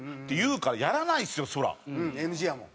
うんＮＧやもん。